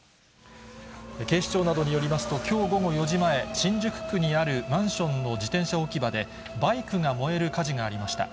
警視庁などによりますと、きょう午後４時前、新宿区にあるマンションの自転車置き場で、バイクが燃える火事がありました。